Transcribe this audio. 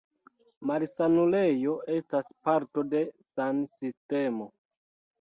Malsanulejo estas parto de san-sistemo.